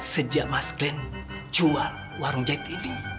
sejak mas glenn jual warung jahit ini